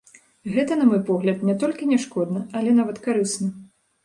Гэта, на мой погляд, не толькі не шкодна, але нават карысна.